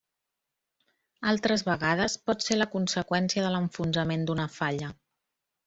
Altres vegades, pot ser la conseqüència de l'enfonsament d'una falla.